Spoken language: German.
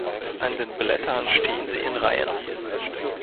An den Blättern stehen sie in Reihen.